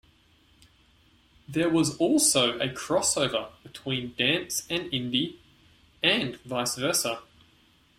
There was also a crossover between dance and indie, and vice versa.